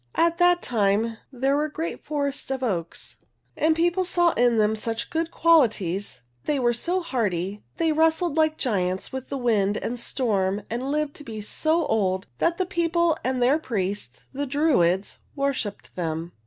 At that time there were there great forests of oaks and people saw in them such good qualities, they were so hardy, they wrestled like giants with wind and storm and lived to be so old that the people and their priests, the Druids, worshiped them.